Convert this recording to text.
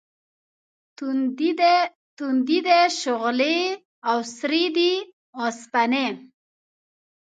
تُندې دي شغلې او سرې دي اوسپنې